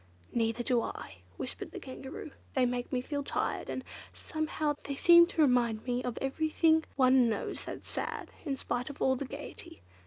"Neither do I," whispered the Kangaroo; "they make me feel tired; and, somehow, they seem to remind one of everything one knows that's sad, in spite of all the gaiety."